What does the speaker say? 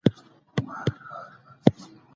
نړیوال دفترونه د ویزو چاري سمبالوي.